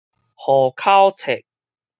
戶口冊